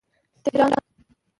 تهران